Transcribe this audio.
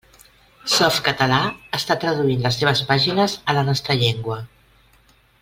Softcatalà està traduint les seves pàgines a la nostra llengua.